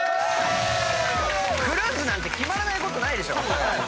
クルーズなんてキマらないことないでしょ。